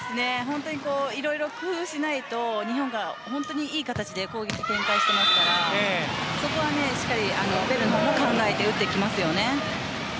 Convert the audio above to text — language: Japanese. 色々、工夫しないと日本がいい形で攻撃を展開していますからそこはしっかりペルーも考えて打ってきますよね。